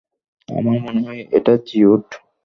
আমার মনে হয়, এটা জিওড!